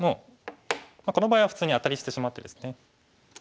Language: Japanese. この場合は普通にアタリしてしまってですね。